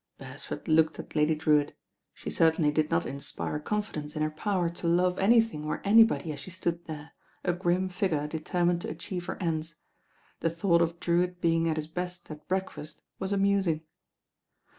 Beresford looked at Lady Drewitt. She cer tainly did not inspire confidence in her power to love anything or anybody as she stood there, a grim fig ure determined to achieve her ends. The thought of Drewitt being at his best at breakfast was amus ing.